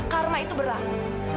karma itu berlaku